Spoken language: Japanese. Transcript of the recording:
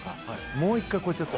もう１回これちょっと。